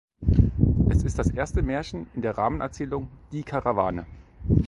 Es ist das erste Märchen in der Rahmenerzählung „Die Karawane“.